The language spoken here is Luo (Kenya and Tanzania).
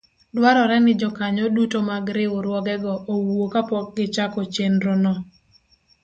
dwarore ni jokanyo duto mag riwruogego owuo kapok gichako chenrono.